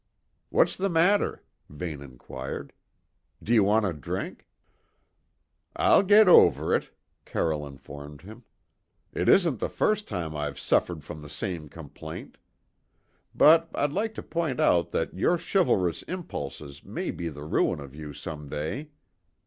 "What's the matter?" Vane inquired. "Do you want a drink?" "I'll get over it," Carroll informed him. "It isn't the first time I've suffered from the same complaint. But I'd like to point out that your chivalrous impulses may be the ruin of you some day.